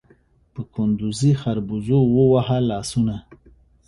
په کندوزي خربوزو ووهه لاسونه